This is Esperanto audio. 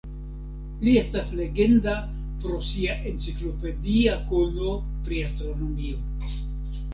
Li estas legenda pro sia enciklopedia kono pri astronomio.